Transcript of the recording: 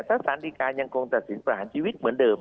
ถ้าสารดีการยังคงตัดสินประหารชีวิตเหมือนเดิม